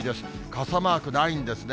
傘マークないんですね。